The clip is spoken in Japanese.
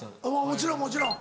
もちろんもちろん。